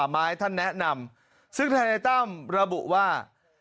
มันพูดไม่ออกดิ